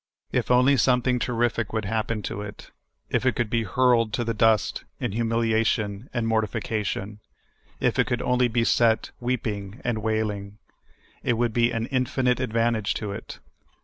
If only something terrific would happen to it ; if it could be hurled to the dust in humiliation and mortification ; if it could onl}^ be set weepni? and w^ailing, it would be an infinite advantage to it.